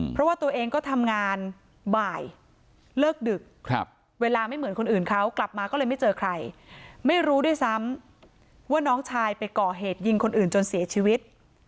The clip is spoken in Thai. เพราะว่าตัวเองก็ทำงานบ่ายเลิกดึกเวลาไม่เหมือนคนอื่นเขากลับมาก็เลยไม่เจอใครไม่รู้ด้วยซ้ำว่าน้องชายไปก่อเหตุยิงคนอื่นจนเสียชีวิต